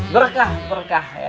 berkah berkah ya